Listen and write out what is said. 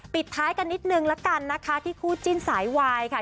ปิดท้ายกันนิดนึงละกันนะคะที่คู่จิ้นสายวายค่ะ